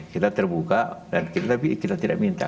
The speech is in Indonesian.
kita terbuka dan kita tidak minta